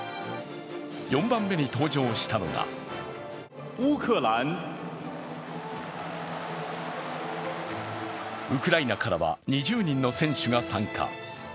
４番目に登場したのがウクライナからは２０人の選手が参加。